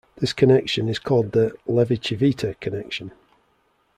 This connection is called the Levi-Civita connection.